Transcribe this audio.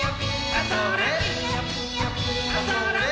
あ、それっ。